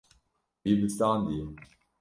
Wî bizdandiye.